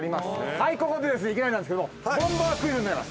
はいここでですねいきなりなんですけれどもボンバークイズになります。